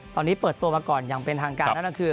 ตอนนี้เปิดตัวมาก่อนอย่างเป็นทางการนั่นก็คือ